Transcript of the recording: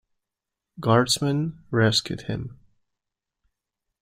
Guardsmen rescued him.